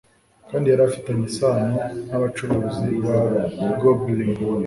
Kandi yari afitanye isano nabacuruzi ba goblin